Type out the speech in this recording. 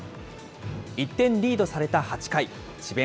１点リードされた８回、智弁